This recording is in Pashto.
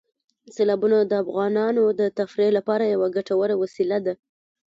سیلابونه د افغانانو د تفریح لپاره یوه ګټوره وسیله ده.